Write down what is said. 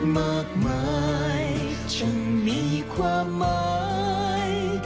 มากมายฉันมีความหมาย